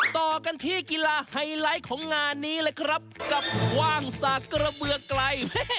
ต่อกันที่กีฬาไฮไลท์ของงานนี้เลยครับกับกว้างสากกระเบือไกล